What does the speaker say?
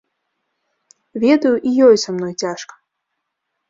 Ведаю, і ёй са мной цяжка.